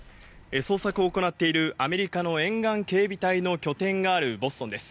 捜索を行っているアメリカの沿岸警備隊の拠点があるボストンです。